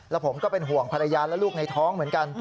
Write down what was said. แล้วผมก็เป็นห่วงภรรยาและลูกในท้องเหมือนกัน